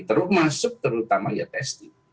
terutama masuk ya testing